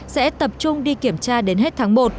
sẽ tập trung đi kiểm tra đến hết tháng một